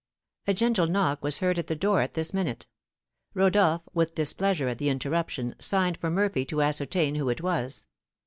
A gentle knock was heard at the door at this minute. Rodolph, with displeasure at the interruption, signed for Murphy to ascertain who it was.